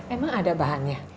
emang ada bahannya